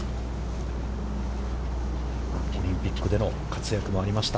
オリンピックでの活躍もありました。